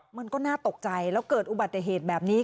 มันก็น่าตกใจแล้วเกิดอุบัติเหตุแบบนี้